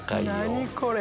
何これ！